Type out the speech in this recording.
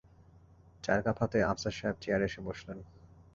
চায়ের কাপ হাতে আফসার সাহেব চেয়ারে এসে বসলেন।